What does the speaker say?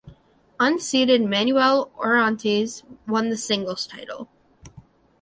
Unseeded Manuel Orantes won the singles title.